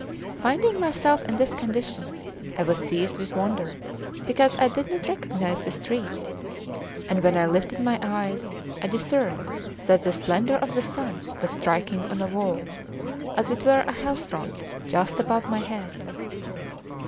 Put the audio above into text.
Finding myself in this condition, I was seized with wonder, because I did not recognise the street; and when I lifted my eyes, I discerned that the splendour of the sun was striking on a wall, as it were a house front, just above my head.